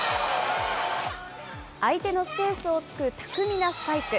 相手のスペースを突く巧みなスパイク。